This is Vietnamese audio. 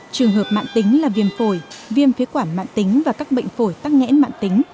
trường hợp mạng tính là viêm phổi viêm phế quản mạng tính và các bệnh phổi tắc nghẽn mạng tính